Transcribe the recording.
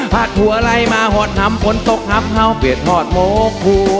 พาดหัวไล่มาหอดทำบนตกห่ำเผาเปลี่ยนหอดโมกหัว